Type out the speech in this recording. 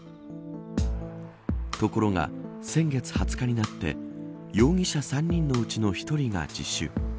ところが、先月２０日になって容疑者３人のうちの１人が自首。